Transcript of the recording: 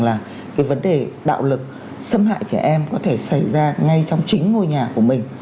là cái vấn đề bạo lực xâm hại trẻ em có thể xảy ra ngay trong chính ngôi nhà của mình